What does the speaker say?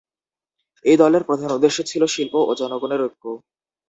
এই দলের প্রধান উদ্দেশ্য ছিল শিল্প ও জনগণের ঐক্য।